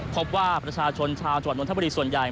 เพราะว่าประทรชญชาวจัวร์นนทบุรีส่วนใหญ่